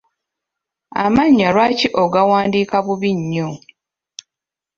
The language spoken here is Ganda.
Amannya lwaki ogawandiika bubi nnyo?